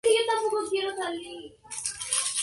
Su madre está siempre fuera de viaje y no la ve muy a menudo.